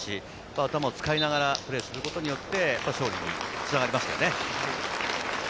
頭を使いながらプレーすることによって勝利につながりましたね。